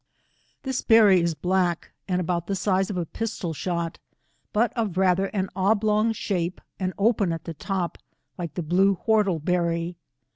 This berry is black and about the size of a pistol shot, but of rather an oblong shape, and open at the top like the blue whortle berry.